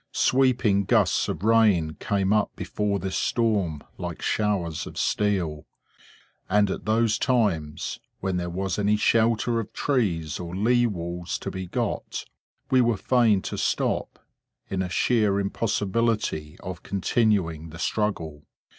Sweeping gusts of rain came up before this storm like showers of steel; and at those times, when there was any shelter of trees or lee walls to be got, we were fain to stop, in a sheer impossibility of continuing the struggle.